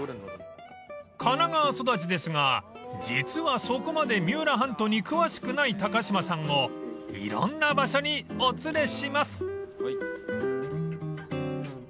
［神奈川育ちですが実はそこまで三浦半島に詳しくない高島さんをいろんな場所にお連れします］